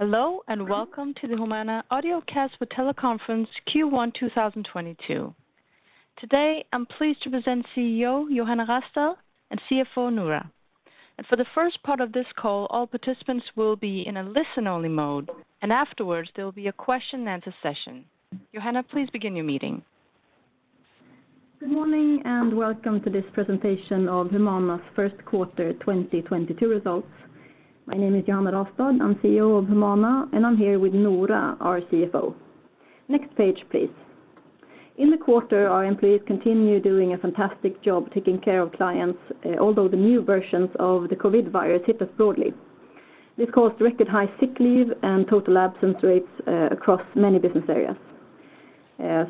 Hello, and welcome to the Humana Audiocast for Teleconference Q1 2022. Today, I'm pleased to present CEO Johanna Rastad and CFO Noora. For the first part of this call, all participants will be in a listen-only mode, and afterwards, there will be a question and answer session. Johanna, please begin your meeting. Good morning, and welcome to this presentation of Humana's first quarter 2022 results. My name is Johanna Rastad. I'm CEO of Humana, and I'm here with Noora, our CFO. Next page, please. In the quarter, our employees continue doing a fantastic job taking care of clients, although the new versions of the COVID virus hit us broadly. This caused record high sick leave and total absence rates across many business areas.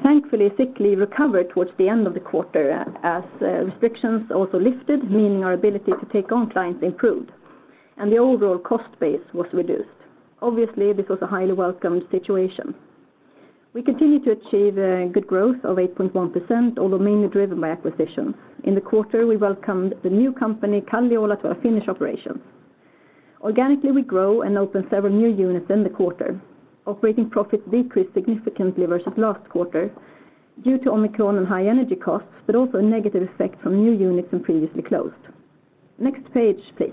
Thankfully, sick leave recovered towards the end of the quarter as restrictions also lifted, meaning our ability to take on clients improved and the overall cost base was reduced. Obviously, this was a highly welcomed situation. We continue to achieve good growth of 8.1%, although mainly driven by acquisitions. In the quarter, we welcomed the new company, Kalliola, to our Finnish operations. Organically, we grow and open several new units in the quarter. Operating profits decreased significantly versus last quarter due to Omicron and high energy costs, but also a negative effect from new units and previously closed. Next page, please.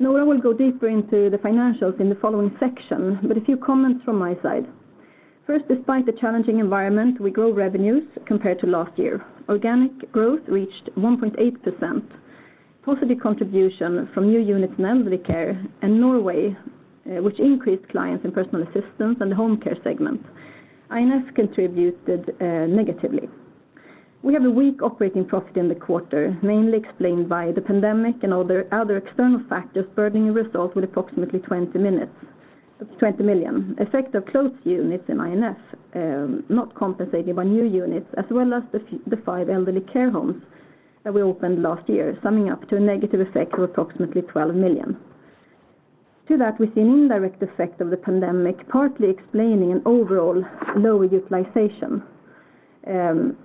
Nora will go deeper into the financials in the following section, but a few comments from my side. First, despite the challenging environment, we grow revenues compared to last year. Organic growth reached 1.8%. Positive contribution from new units in Elderly Care and Norway, which increased clients in Personal Assistance and the Home Care segment. I&F contributed negatively. We have a weak operating profit in the quarter, mainly explained by the pandemic and other external factors burdening results with approximately 20 million. Effect of closed units in I&F, not compensated by new units as well as the five elderly care homes that we opened last year, summing up to a negative effect of approximately 12 million. To that, we see an indirect effect of the pandemic, partly explaining an overall lower utilization.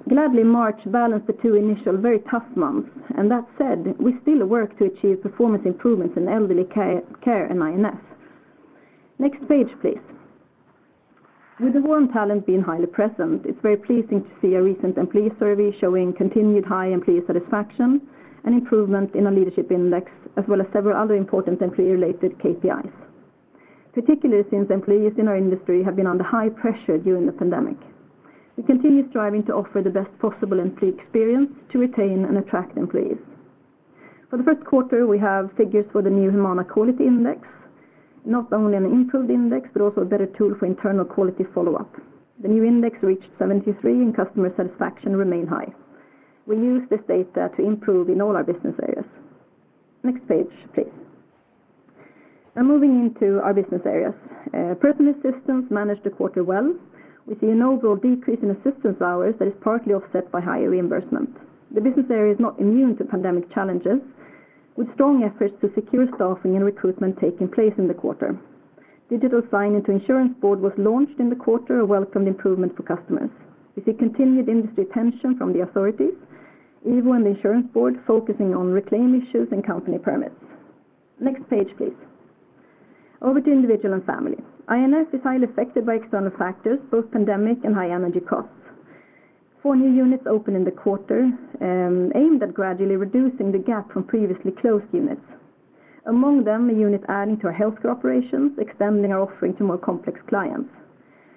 Gladly, March balanced the two initial very tough months. That said, we still work to achieve performance improvements in Elderly Care and I&F. Next page, please. With the war for talent being highly present, it's very pleasing to see a recent employee survey showing continued high employee satisfaction and improvement in our leadership index, as well as several other important employee-related KPIs. Particularly since employees in our industry have been under high pressure during the pandemic. We continue striving to offer the best possible employee experience to retain and attract employees. For the first quarter, we have figures for the new Humana Quality Index, not only an improved index, but also a better tool for internal quality follow-up. The new index reached 73, and customer satisfaction remained high. We use this data to improve in all our business areas. Next page, please. Now moving into our business areas. Personal Assistance managed the quarter well. We see an overall decrease in assistance hours that is partly offset by higher reimbursement. The business area is not immune to pandemic challenges, with strong efforts to secure staffing and recruitment taking place in the quarter. Digital sign-in to Försäkringskassan was launched in the quarter, a welcomed improvement for customers. We see continued industry tension from the authorities, even Försäkringskassan focusing on reclaim issues and company permits. Next page, please. Over to Individual and Family. I&F is highly affected by external factors, both pandemic and high energy costs. 4 new units open in the quarter, aimed at gradually reducing the gap from previously closed units. Among them, a unit adding to our healthcare operations, expanding our offering to more complex clients.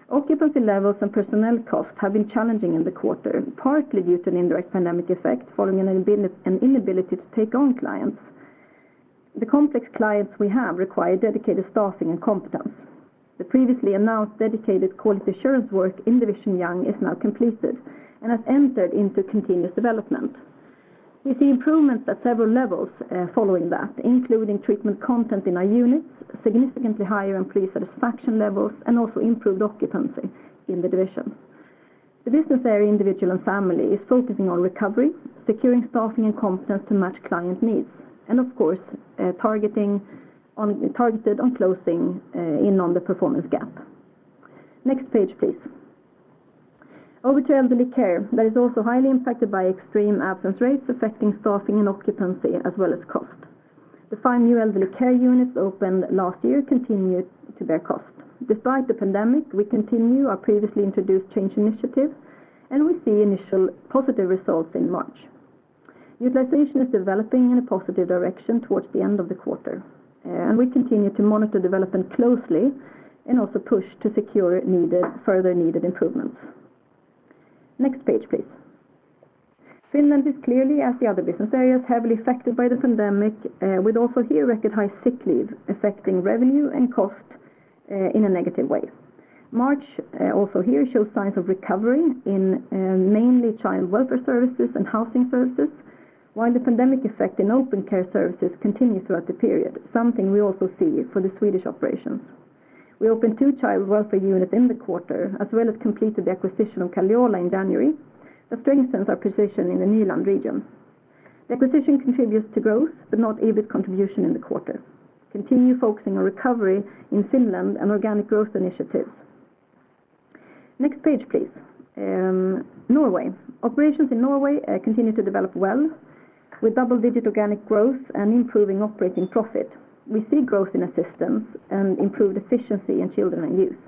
Occupancy levels and personnel costs have been challenging in the quarter, partly due to an indirect pandemic effect following an inability to take on clients. The complex clients we have require dedicated staffing and competence. The previously announced dedicated quality assurance work in Division Young is now completed and has entered into continuous development. We see improvements at several levels following that, including treatment content in our units, significantly higher employee satisfaction levels, and also improved occupancy in the division. The business area, Individual and Family, is focusing on recovery, securing staffing and competence to match client needs, and of course, targeted on closing in on the performance gap. Next page, please. Over to Elderly Care. That is also highly impacted by extreme absence rates affecting staffing and occupancy as well as cost. The five new elderly care units opened last year continued to bear cost. Despite the pandemic, we continue our previously introduced change initiative, and we see initial positive results in March. Utilization is developing in a positive direction towards the end of the quarter, and we continue to monitor development closely and also push to secure further needed improvements. Next page, please. Finland is clearly, as the other business areas, heavily affected by the pandemic, with also here record high sick leave affecting revenue and cost, in a negative way. March, also here shows signs of recovery in, mainly child welfare services and housing services, while the pandemic effect in open care services continues throughout the period, something we also see for the Swedish operations. We opened two child welfare units in the quarter, as well as completed the acquisition of Kalliola in January that strengthens our position in the Nyland region. The acquisition contributes to growth, but not EBIT contribution in the quarter. Continue focusing on recovery in Finland and organic growth initiatives. Next page, please. Norway. Operations in Norway continue to develop well with double-digit organic growth and improving operating profit. We see growth in assistance and improved efficiency in children and youth.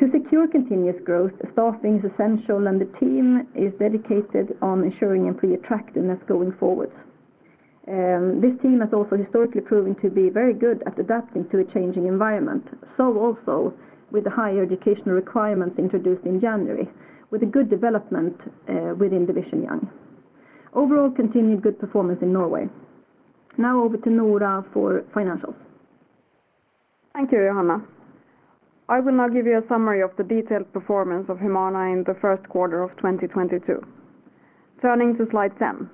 To secure continuous growth, staffing is essential, and the team is dedicated on ensuring employee attractiveness going forward. This team has also historically proven to be very good at adapting to a changing environment, so also with the higher educational requirements introduced in January with a good development within Division Young. Overall, continued good performance in Norway. Now over to Noora for financials. Thank you, Johanna. I will now give you a summary of the detailed performance of Humana in the first quarter of 2022. Turning to slide 10.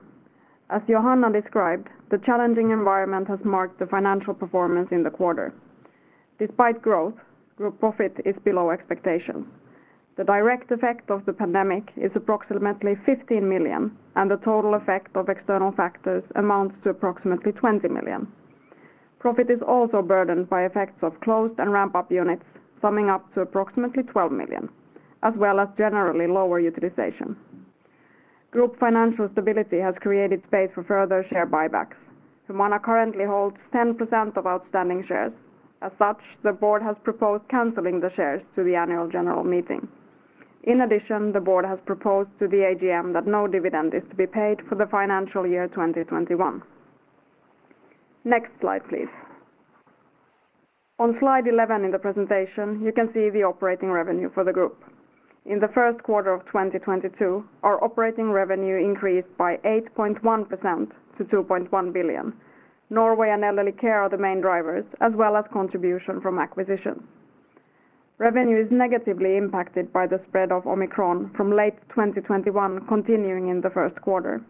As Johanna described, the challenging environment has marked the financial performance in the quarter. Despite growth, group profit is below expectations. The direct effect of the pandemic is approximately 15 million, and the total effect of external factors amounts to approximately 20 million. Profit is also burdened by effects of closed and ramp-up units, summing up to approximately 12 million, as well as generally lower utilization. Group financial stability has created space for further share buybacks. Humana currently holds 10% of outstanding shares. As such, the board has proposed canceling the shares to the annual general meeting. In addition, the board has proposed to the AGM that no dividend is to be paid for the financial year 2021. Next slide, please. On slide 11 in the presentation, you can see the operating revenue for the group. In the first quarter of 2022, our operating revenue increased by 8.1% to 2.1 billion. Norway and Elderly Care are the main drivers, as well as contribution from acquisitions. Revenue is negatively impacted by the spread of Omicron from late 2021 continuing in the first quarter,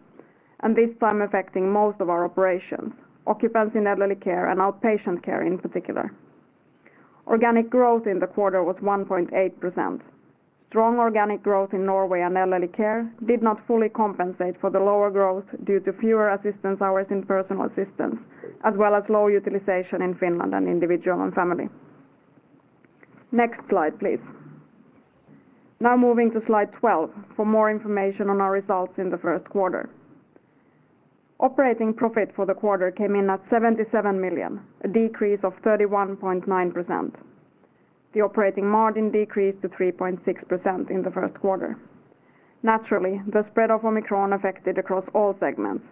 and this time affecting most of our operations, occupancy in Elderly Care and Outpatient Care in particular. Organic growth in the quarter was 1.8%. Strong organic growth in Norway and Elderly Care did not fully compensate for the lower growth due to fewer assistance hours in Personal Assistance, as well as low utilization in Finland and Individual & Family. Next slide, please. Now moving to slide 12 for more information on our results in the first quarter. Operating profit for the quarter came in at 77 million, a decrease of 31.9%. The operating margin decreased to 3.6% in the first quarter. Naturally, the spread of Omicron affected across all segments.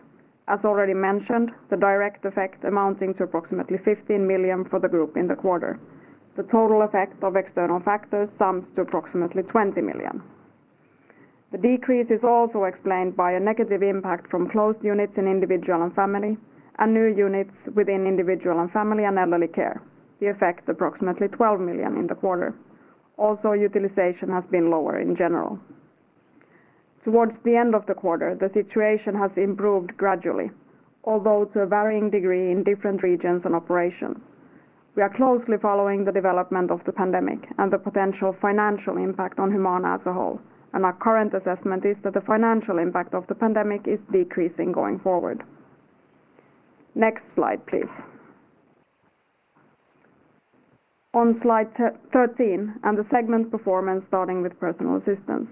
As already mentioned, the direct effect amounting to approximately 15 million for the group in the quarter. The total effect of external factors sums to approximately 20 million. The decrease is also explained by a negative impact from closed units in Individual & Family and new units within Individual & Family and Elderly Care. The effect, approximately 12 million in the quarter. Also, utilization has been lower in general. Towards the end of the quarter, the situation has improved gradually, although to a varying degree in different regions and operations. We are closely following the development of the pandemic and the potential financial impact on Humana as a whole, and our current assessment is that the financial impact of the pandemic is decreasing going forward. Next slide, please. On slide 13 and the segment performance starting with Personal Assistance.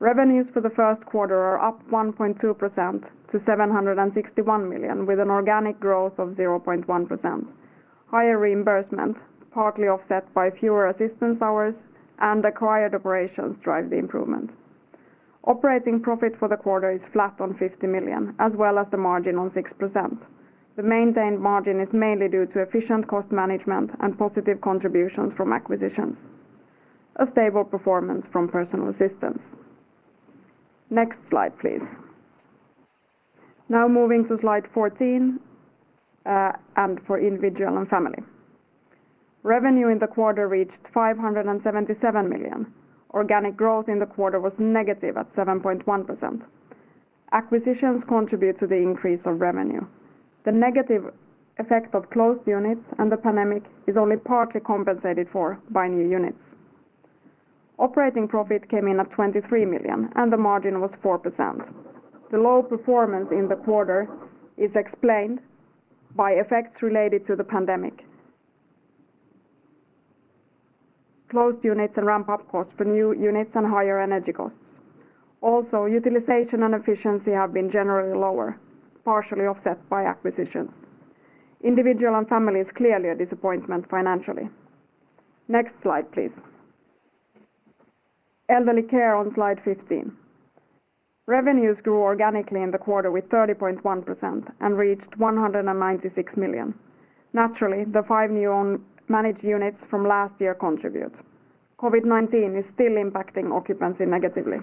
Revenues for the first quarter are up 1.2% to 761 million, with an organic growth of 0.1%. Higher reimbursement, partly offset by fewer assistance hours and acquired operations drive the improvement. Operating profit for the quarter is flat at 50 million, as well as the margin at 6%. The maintained margin is mainly due to efficient cost management and positive contributions from acquisitions. A stable performance from Personal Assistance. Next slide, please. Now moving to slide 14, and for Individual & family. Revenue in the quarter reached 577 million. Organic growth in the quarter was negative at 7.1%. Acquisitions contribute to the increase of revenue. The negative effect of closed units and the pandemic is only partly compensated for by new units. Operating profit came in at 23 million, and the margin was 4%. The low performance in the quarter is explained by effects related to the pandemic, closed units and ramp-up costs for new units and higher energy costs. Also, utilization and efficiency have been generally lower, partially offset by acquisitions. Individual & Family is clearly a disappointment financially. Next slide, please. Elderly Care on slide 15. Revenues grew organically in the quarter with 30.1% and reached 196 million. Naturally, the five new own managed units from last year contribute. COVID-19 is still impacting occupancy negatively.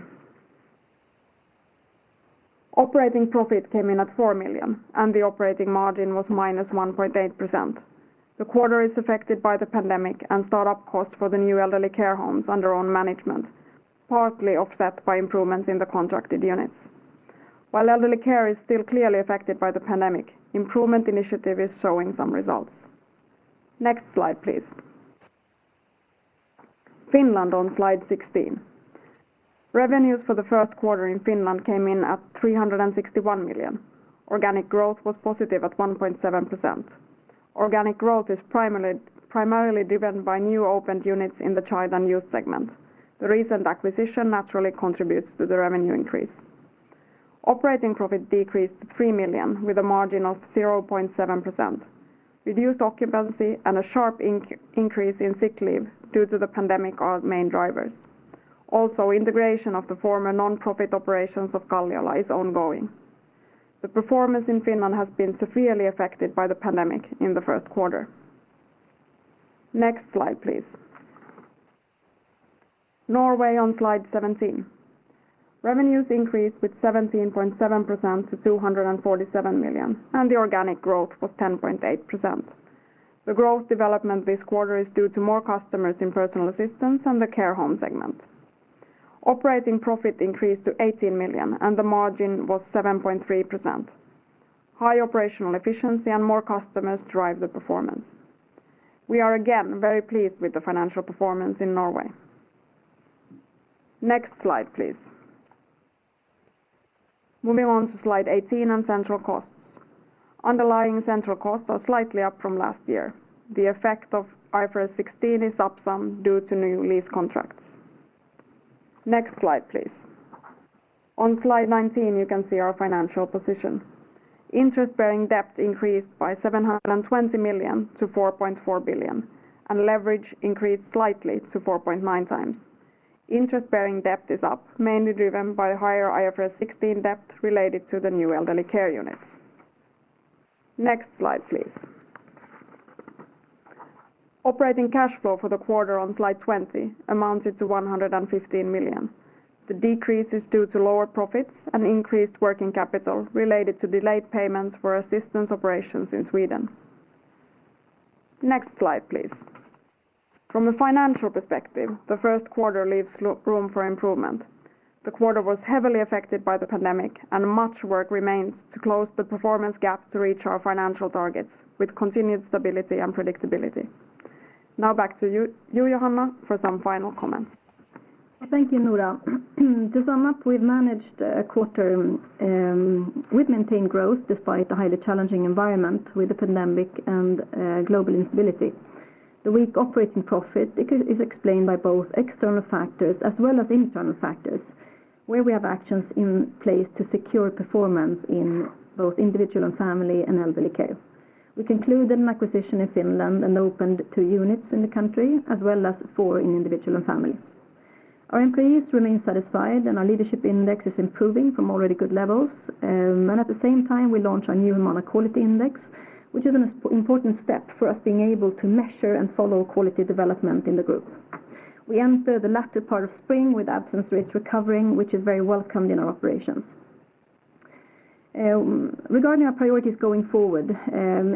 Operating profit came in at 4 million, and the operating margin was -1.8%. The quarter is affected by the pandemic and startup costs for the new elderly care homes under own management, partly offset by improvements in the contracted units. While Elderly Care is still clearly affected by the pandemic, improvement initiative is showing some results. Next slide, please. Finland on slide 16. Revenues for the first quarter in Finland came in at 361 million. Organic growth was positive at 1.7%. Organic growth is primarily driven by new opened units in the child and youth segment. The recent acquisition naturally contributes to the revenue increase. Operating profit decreased 3 million with a margin of 0.7%. Reduced occupancy and a sharp increase in sick leave due to the pandemic are the main drivers. Integration of the former nonprofit operations of Kalliola is ongoing. The performance in Finland has been severely affected by the pandemic in the first quarter. Next slide, please. Norway on slide 17. Revenues increased with 17.7% to 247 million, and the organic growth was 10.8%. The growth development this quarter is due to more customers in personal assistance and the care home segment. Operating profit increased to 18 million, and the margin was 7.3%. High operational efficiency and more customers drive the performance. We are again very pleased with the financial performance in Norway. Next slide, please. Moving on to slide 18 on central costs. Underlying central costs are slightly up from last year. The effect of IFRS 16 is up some due to new lease contracts. Next slide, please. On slide 19, you can see our financial position. Interest-bearing debt increased by 720 million to 4.4 billion, and leverage increased slightly to 4.9 times. Interest-bearing debt is up, mainly driven by higher IFRS 16 debt related to the new elderly care units. Next slide, please. Operating cash flow for the quarter on slide 20 amounted to 115 million. The decrease is due to lower profits and increased working capital related to delayed payments for assistance operations in Sweden. Next slide, please. From a financial perspective, the first quarter leaves room for improvement. The quarter was heavily affected by the pandemic, and much work remains to close the performance gap to reach our financial targets with continued stability and predictability. Now back to you, Johanna, for some final comments. Thank you, Nora. To sum up, we've managed a quarter with maintained growth despite the highly challenging environment with the pandemic and global instability. The weak operating profit is explained by both external factors as well as internal factors, where we have actions in place to secure performance in both Individual and Family and Elderly Care. We concluded an acquisition in Finland and opened two units in the country as well as four in Individual and Family. Our employees remain satisfied, and our leadership index is improving from already good levels. At the same time, we launch our new Humana Quality Index, which is an important step for us being able to measure and follow quality development in the group. We enter the latter part of spring with absence rates recovering, which is very welcomed in our operations. Regarding our priorities going forward,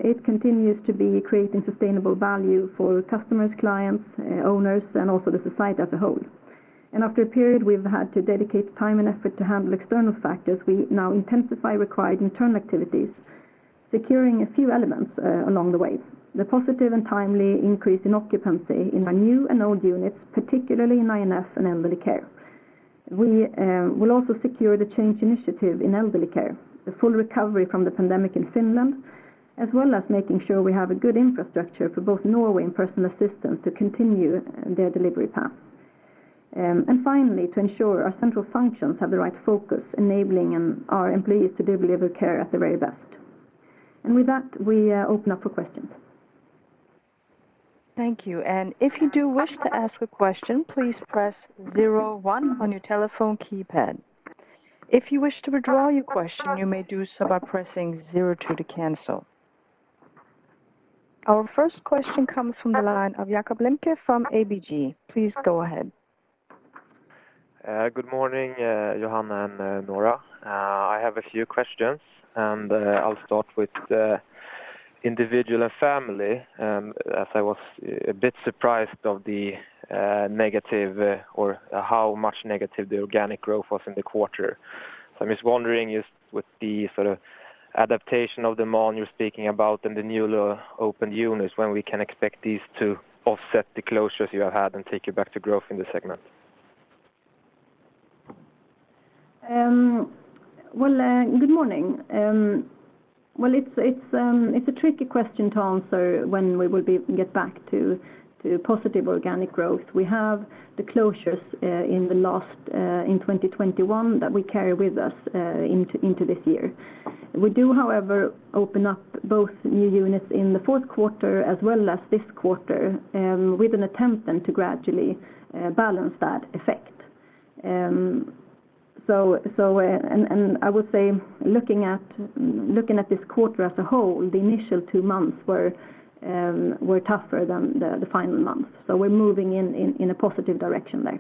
it continues to be creating sustainable value for customers, clients, owners, and also the society as a whole. After a period we've had to dedicate time and effort to handle external factors, we now intensify required internal activities, securing a few elements along the way. The positive and timely increase in occupancy in our new and old units, particularly in I&F and Elderly Care. We will also secure the change initiative in Elderly Care, the full recovery from the pandemic in Finland, as well as making sure we have a good infrastructure for both Norway and Personal Assistance to continue their delivery path. Finally, to ensure our central functions have the right focus, enabling our employees to deliver care at their very best. With that, we open up for questions. Thank you. If you do wish to ask a question, please press zero one on your telephone keypad. If you wish to withdraw your question, you may do so by pressing zero two to cancel. Our first question comes from the line of Jakob Lembke from ABG. Please go ahead. Good morning, Johanna and Noora. I have a few questions, and I'll start with individual and family, as I was a bit surprised of the negative, or how much negative the organic growth was in the quarter. I'm just wondering is, with the sort of adaptation of the model you're speaking about and the newly opened units, when we can expect these to offset the closures you have had and take you back to growth in this segment? Well, good morning. Well, it's a tricky question to answer when we will get back to positive organic growth. We have the closures in the last in 2021 that we carry with us into this year. We do, however, open up both new units in the fourth quarter as well as this quarter with an attempt then to gradually balance that effect. I would say looking at this quarter as a whole, the initial two months were tougher than the final months. We're moving in a positive direction there.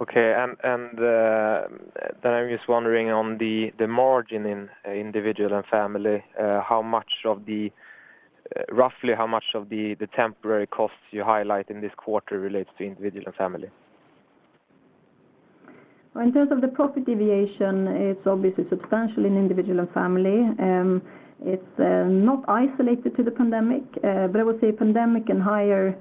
Okay. I'm just wondering on the margin in Individual and Family, roughly how much of the temporary costs you highlight in this quarter relates to Individual and Family? Well, in terms of the profit deviation, it's obviously substantial in Individual and Family. It's not isolated to the pandemic. I would say pandemic and higher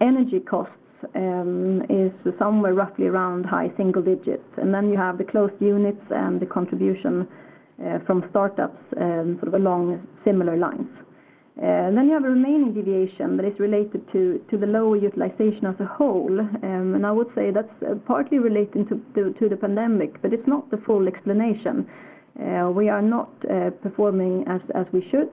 energy costs is somewhere roughly around high single digits. You have the closed units and the contribution from startups sort of along similar lines. You have a remaining deviation that is related to the lower utilization as a whole. I would say that's partly relating to the pandemic, but it's not the full explanation. We are not performing as we should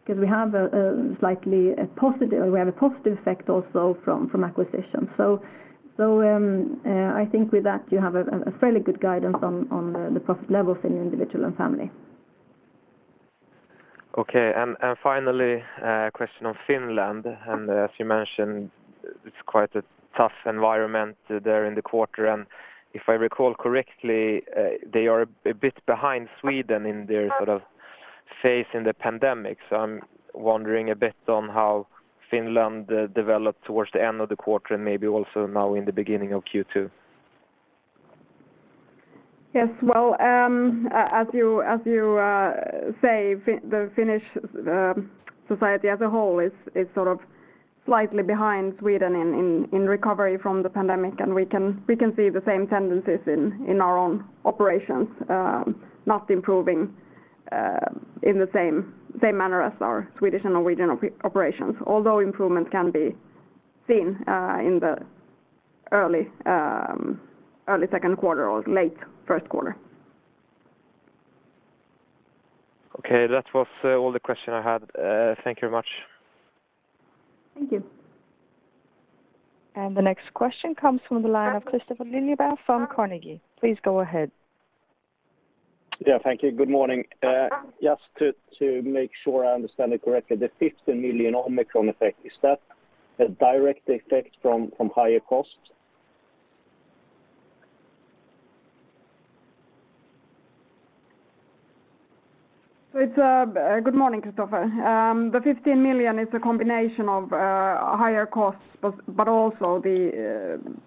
because we have a positive effect also from acquisition. I think with that you have a fairly good guidance on the profit levels in Individual & Family. Okay. Finally, a question on Finland. As you mentioned, it's quite a tough environment there in the quarter. If I recall correctly, they are a bit behind Sweden in their sort of phase in the pandemic. I'm wondering a bit on how Finland developed towards the end of the quarter and maybe also now in the beginning of Q2. Yes. Well, as you say, the Finnish society as a whole is sort of slightly behind Sweden in recovery from the pandemic. We can see the same tendencies in our own operations not improving in the same manner as our Swedish and Norwegian operations. Although improvement can be seen in the early second quarter or late first quarter. Okay. That was all the question I had. Thank you very much. Thank you. The next question comes from the line of Kristofer Liljeberg from Carnegie. Please go ahead. Yeah. Thank you. Good morning. Just to make sure I understand it correctly, the 15 million Omicron effect, is that a direct effect from higher costs? Good morning, Kristofer Liljeberg. The 15 million is a combination of higher costs, but also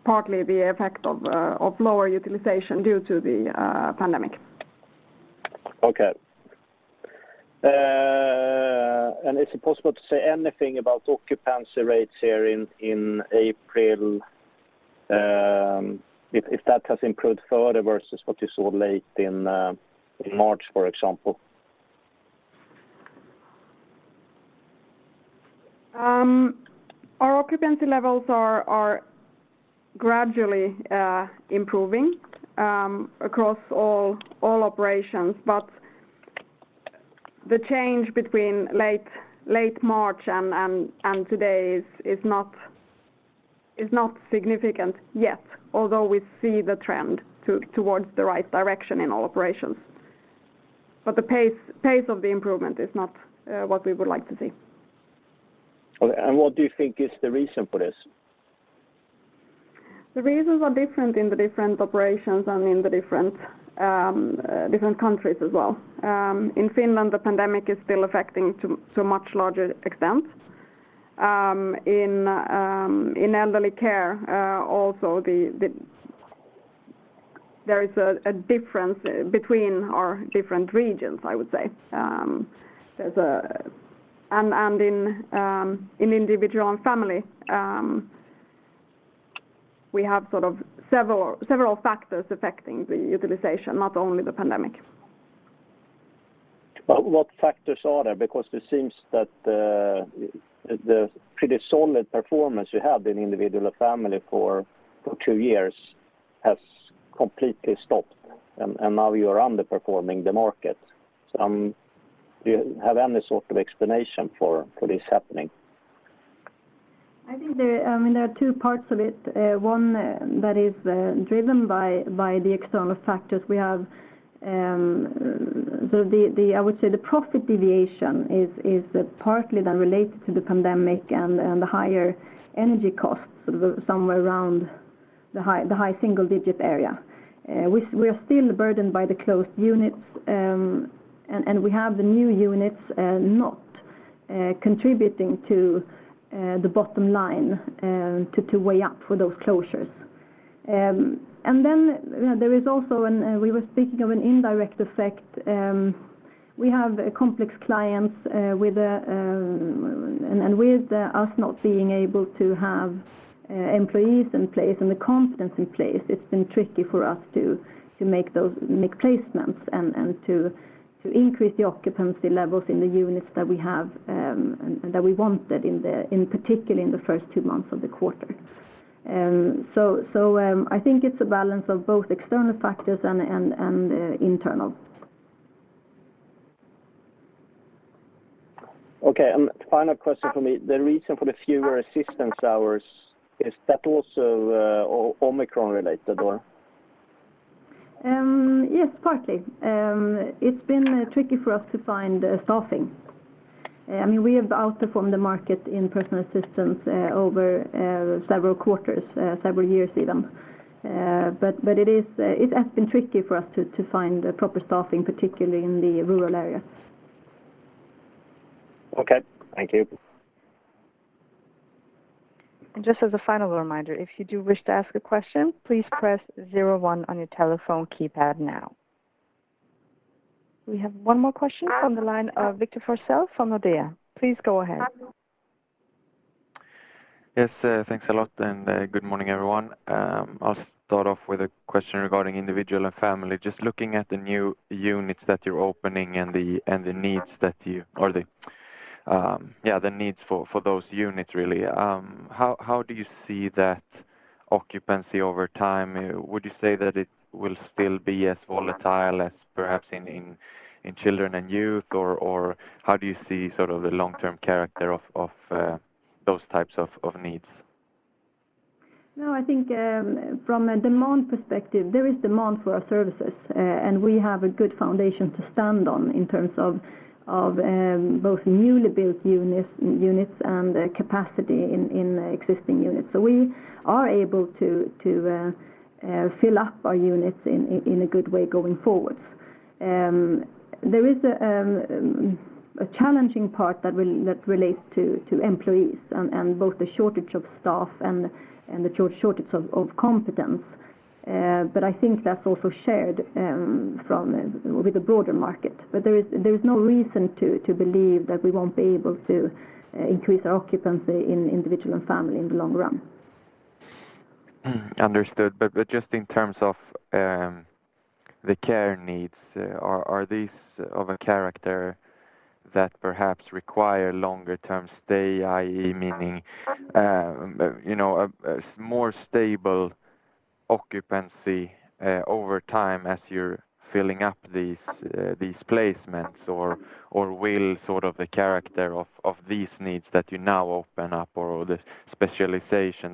partly the effect of lower utilization due to the pandemic. Okay. Is it possible to say anything about occupancy rates here in April? If that has improved further versus what you saw late in March, for example? Our occupancy levels are gradually improving across all operations. The change between late March and today is not significant yet, although we see the trend towards the right direction in all operations. The pace of the improvement is not what we would like to see. Okay. What do you think is the reason for this? The reasons are different in the different operations and in the different countries as well. In Finland, the pandemic is still affecting to a much larger extent. In Elderly Care, also there is a difference between our different regions, I would say. In Individual and Family, we have sort of several factors affecting the utilization, not only the pandemic. What factors are there? Because it seems that the pretty solid performance you had in Individual and Family for two years has completely stopped, and now you are underperforming the market. Do you have any sort of explanation for this happening? I mean, there are two parts of it. One that is driven by the external factors. I would say the profit deviation is partly then related to the pandemic and the higher energy costs somewhere around the high single digit area. We are still burdened by the closed units. We have the new units not contributing to the bottom line to weigh up for those closures. You know, there is also an indirect effect we were speaking of. We have complex clients with. with us not being able to have employees in place and the competence in place, it's been tricky for us to make placements and to increase the occupancy levels in the units that we have and that we wanted in particular in the first two months of the quarter. I think it's a balance of both external factors and internal. Okay. Final question from me. The reason for the fewer assistance hours is that also Omicron related or? Yes, partly. It's been tricky for us to find staffing. I mean, we have outperformed the market in personal assistance over several quarters, several years even. But it has been tricky for us to find the proper staffing, particularly in the rural area. Okay, thank you. Just as a final reminder, if you do wish to ask a question, please press zero one on your telephone keypad now. We have one more question from the line of Victor Forssell from Nordea. Please go ahead. Yes, thanks a lot, and good morning, everyone. I'll start off with a question regarding Individual and Family. Just looking at the new units that you're opening and the needs for those units really, how do you see that occupancy over time? Would you say that it will still be as volatile as perhaps in children and youth, or how do you see sort of the long-term character of those types of needs? No, I think from a demand perspective, there is demand for our services, and we have a good foundation to stand on in terms of both newly built units and capacity in existing units. We are able to fill up our units in a good way going forward. There is a challenging part that relates to employees and both the shortage of staff and the shortage of competence. I think that's also shared with the broader market. There is no reason to believe that we won't be able to increase our occupancy in Individual and Family in the long run. Understood. Just in terms of the care needs, are these of a character that perhaps require longer term stay, i.e., meaning, you know, a more stable occupancy over time as you're filling up these placements or will sort of the character of these needs that you now open up or the specialization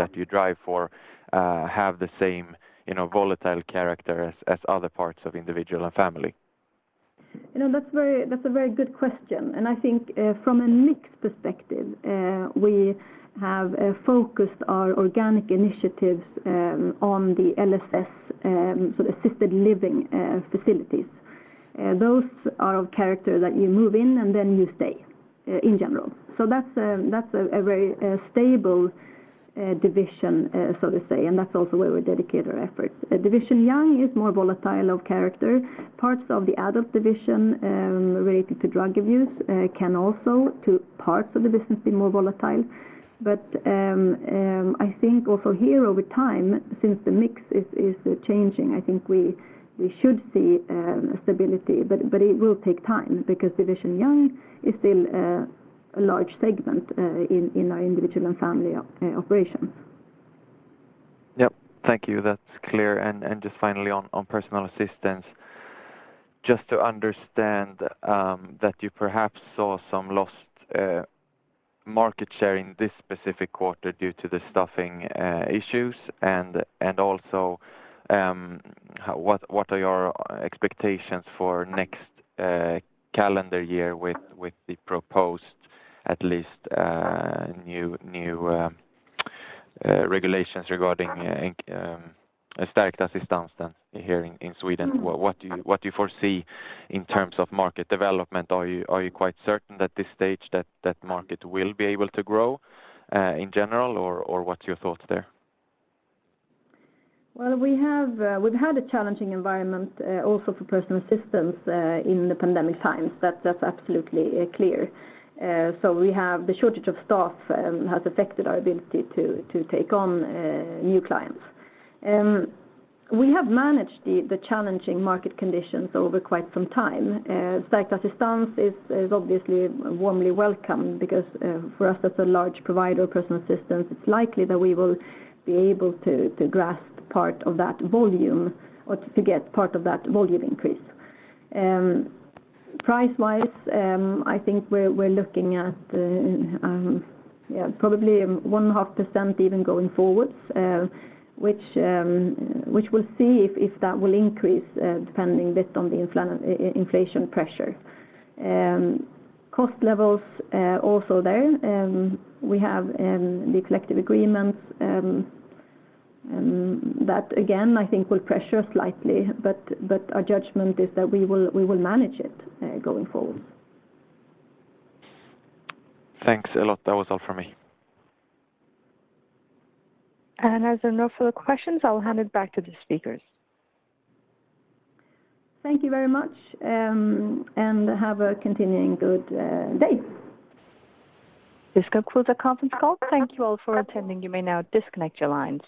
that you drive for have the same, you know, volatile character as other parts of Individual and Family? You know, that's a very good question. I think, from a mix perspective, we have focused our organic initiatives on the LSS, sort of assisted living facilities. Those are of character that you move in and then you stay in general. That's a very stable division, so to say, and that's also where we dedicate our efforts. Division Young is more volatile of character. Parts of the adult division related to drug abuse can also to parts of the business be more volatile. I think also here over time, since the mix is changing, I think we should see stability. It will take time because Division Young is still a large segment in our Individual and Family operation. Yep. Thank you. That's clear. Just finally on Personal Assistance, just to understand that you perhaps saw some lost market share in this specific quarter due to the staffing issues and also what are your expectations for next calendar year with the proposed at least new regulations regarding Stärkt assistans here in Sweden. What do you foresee in terms of market development? Are you quite certain at this stage that market will be able to grow in general or what's your thoughts there? Well, we've had a challenging environment also for personal assistance in the pandemic times. That's absolutely clear. We have the shortage of staff has affected our ability to take on new clients. We have managed the challenging market conditions over quite some time. Stärkt assistans is obviously warmly welcome because for us as a large provider of personal assistance, it's likely that we will be able to grasp part of that volume or to get part of that volume increase. Price-wise, I think we're looking at yeah, probably 1.5% even going forward, which we'll see if that will increase depending a bit on the inflation pressure. Cost levels, also there, we have the collective agreements that again, I think, will pressure slightly, but our judgment is that we will manage it going forward. Thanks a lot. That was all for me. As there are no further questions, I'll hand it back to the speakers. Thank you very much, and have a continuing good day. This concludes our conference call. Thank you all for attending. You may now disconnect your lines.